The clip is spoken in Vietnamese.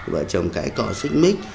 vợ chồng cãi cọ xích mít